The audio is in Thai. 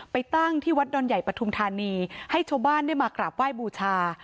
ตั้งที่วัดดอนใหญ่ปฐุมธานีให้ชาวบ้านได้มากราบไหว้บูชา